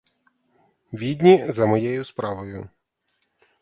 Відні за моєю справою.